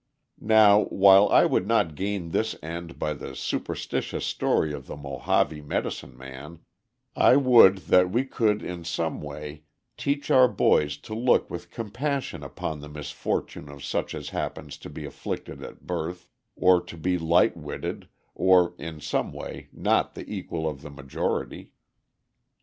Now, while I would not gain this end by the superstitious story of the Mohave medicine man, I would that we could in some way teach our boys to look with compassion upon the misfortune of such as happen to be afflicted at birth, or to be light witted, or in some way not the equal of the majority.